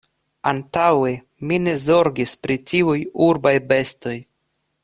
Antaŭe, mi ne zorgis pri tiuj urbaj bestoj...